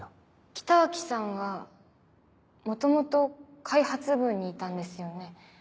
北脇さんは元々開発部にいたんですよね。